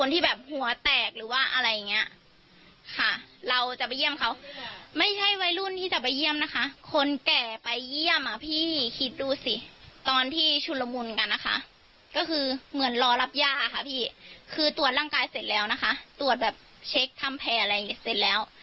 ตรวจร่างกายเสร็จแล้วนะคะตรวจแบบเช็คทำแพร่อะไรเสร็จแล้ว